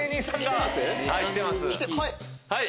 はい！